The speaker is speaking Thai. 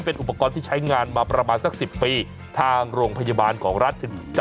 เป็นอุปกรณ์ที่ใช้งานมาประมาณสัก๑๐ปีทางโรงพยาบาลของรัฐ